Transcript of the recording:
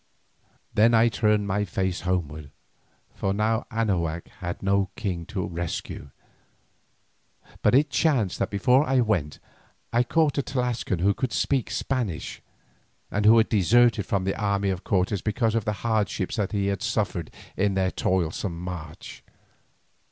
Then I turned my face homewards, for now Anahuac had no king to rescue, but it chanced that before I went I caught a Tlascalan who could speak Spanish, and who had deserted from the army of Cortes because of the hardships that he suffered in their toilsome march.